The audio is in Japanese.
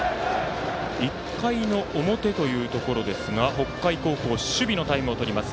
１回の表というところですが北海高校守備のタイムをとります。